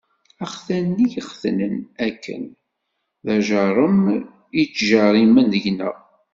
Axtan-nni i ɣ-xetnen akken, d ajerrem i ttjerrimen deg-neɣ.